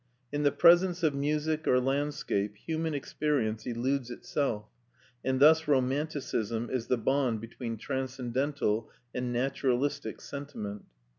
In the presence of music or landscape human experience eludes itself; and thus romanticism is the bond between transcendental and naturalistic sentiment.